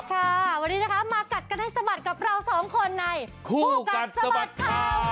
ค่ะวันนี้นะคะมากัดกันให้สะบัดกับเราสองคนในคู่กัดสะบัดข่าว